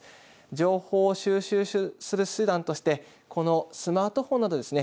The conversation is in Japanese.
情報を収集する手段としてこのスマートフォンなどですね